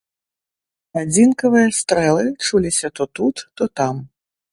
Адзінкавыя стрэлы чуліся то тут, то там.